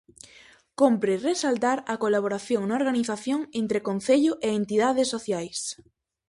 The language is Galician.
Cómpre resaltar a colaboración na organización entre concello e entidades sociais.